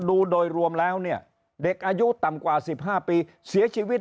ดูโดยรวมแล้วเนี่ยเด็กอายุต่ำกว่า๑๕ปีเสียชีวิต